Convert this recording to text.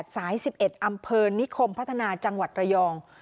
สายสิบเอ็ดอำเภิลนิคมพัฒนาจังหวัดไรยองค์